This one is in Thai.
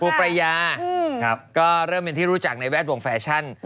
ประยาก็เริ่มเป็นที่รู้จักในแวดวงแฟชั่น